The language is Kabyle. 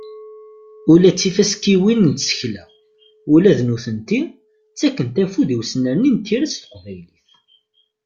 Ula d tifaskiwin n tsekla, ula d nutenti, ttakken afud i usnerni n tira s teqbaylit.